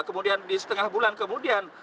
kemudian di setengah bulan kemudian